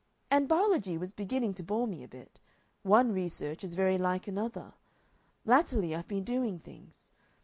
"And biology was beginning to bore me a bit. One research is very like another.... Latterly I've been doing things....